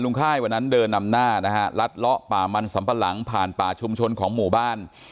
ค่ายวันนั้นเดินนำหน้านะฮะลัดเลาะป่ามันสำปะหลังผ่านป่าชุมชนของหมู่บ้าน